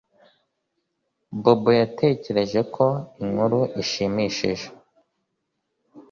Bobo yatekereje ko inkuru ishimishije